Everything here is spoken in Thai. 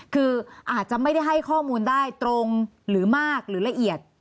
คืออาจจะไม่ได้ให้ข้อมูลได้ตรงหรือมากหรือละเอียด